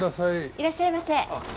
いらっしゃいませ。